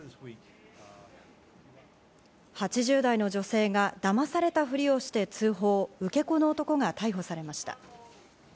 ８０代の女性が、だまされたふりをして通報、受け子の男が逮捕されました。